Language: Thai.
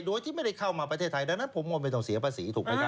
โดยที่ไม่ได้เข้ามาประเทศไทยดังนั้นผมก็ไม่ต้องเสียภาษีถูกไหมครับ